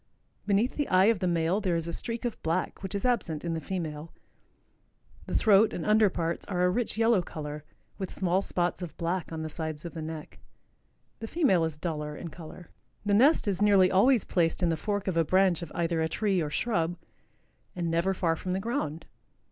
Beneath the eye of the male there is a streak of black which is absent in the female. The throat and under parts are a rich yellow color, with small spots of black on the sides of the neck. The female is duller in color. The nest is nearly always placed in the fork of a branch of either a tree or shrub and never far from the ground.